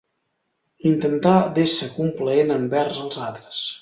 Intentar d'ésser complaent envers els altres.